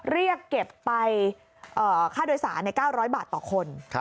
เรียกเก็บไปค่าโดยสาร๙๐๐บาทต่อคน